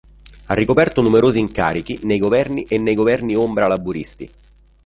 Ha ricoperto numerosi incarichi nei governi e nei governi ombra laburisti.